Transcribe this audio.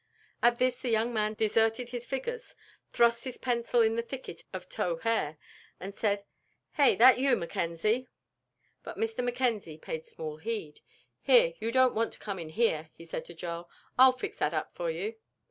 At this the young man deserted his figures, thrust his pencil in the thicket of tow hair, and said, "Hey, that you, McKenzie?" But Mr. McKenzie paid small heed. "Here, you don't want to come in here," he said to Joel, "I'll fix that up for you."